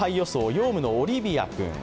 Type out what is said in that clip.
ヨウムのオリビア君。